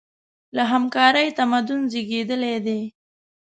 له همکارۍ تمدن زېږېدلی دی.